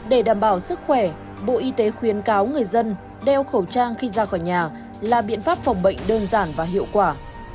để đảm bảo sức khỏe bộ y tế khuyến cáo người dân đeo khẩu trang khi ra khỏi nhà là biện pháp phòng bệnh đơn giản và hiệu quả